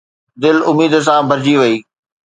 دل اميد سان ڀرجي وئي